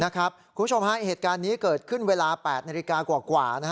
คุณผู้ชมฮะเหตุการณ์นี้เกิดขึ้นเวลา๘นาฬิกากว่า